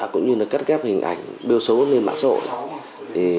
cũng như là cắt ghép hình ảnh biêu xấu lên mạng xã hội